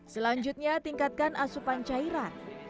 selanjutnya tingkatkan asupan cairan